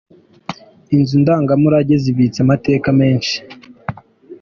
Inzu ndangamurage zibitse amateka menshi.